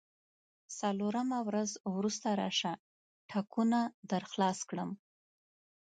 څلورمه ورځ وروسته راشه، ټکونه درخلاص کړم.